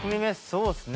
そうですね。